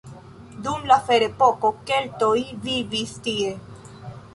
Dum la ferepoko keltoj vivis tie.